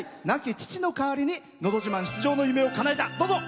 亡き父の代わりに「のど自慢」出場の夢をかなえた。